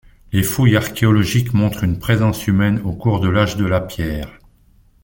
Les fouilles archéologiques montrent une présence humaine au cours de l'âge de la pierre.